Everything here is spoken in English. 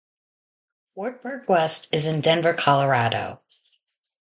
Wartburg West is in Denver, Colorado.